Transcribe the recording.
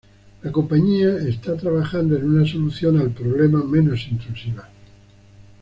La compañía está trabajando en una solución al problema menos intrusiva.